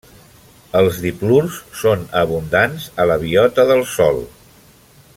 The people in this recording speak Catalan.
Els diplurs són abundants a la biota del sòl.